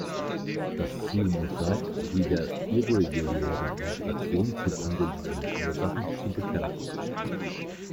Das Ziel muss sein, die der irregulären Migration zugrundeliegenden Ursachen zu bekämpfen.